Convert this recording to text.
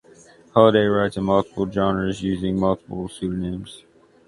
Holliday writes in multiple genres using multiple pseudonyms.